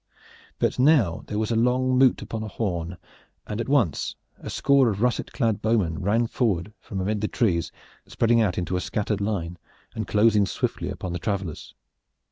But now there was a long moot upon a horn, and at once a score of russet clad bowmen ran forward from amid the trees, spreading out into a scattered line and closing swiftly in upon the travelers.